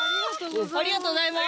ありがとうございます。